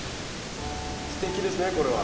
すてきですねこれは。